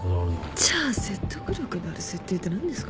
じゃあ説得力のある設定って何ですか？